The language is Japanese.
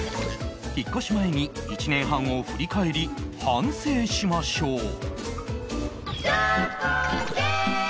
引っ越し前に１年半を振り返り反省しましょう